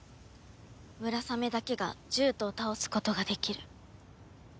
ムラサメだけが獣人を倒すことができる。